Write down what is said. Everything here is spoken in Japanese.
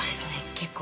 結構。